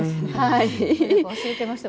私も忘れてました